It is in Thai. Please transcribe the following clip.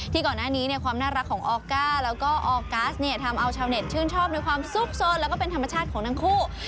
ก่อนหน้านี้ความน่ารักของออก้าแล้วก็ออกัสเนี่ยทำเอาชาวเน็ตชื่นชอบในความซุกซนแล้วก็เป็นธรรมชาติของทั้งคู่